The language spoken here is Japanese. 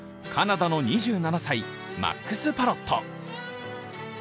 カナダの２７歳マックス・パロット。